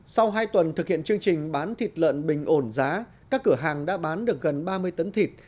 sau hai tuần thực hiện chương trình bán thịt lợn bình ổn giá các cửa hàng đã bán được gần ba mươi tấn thịt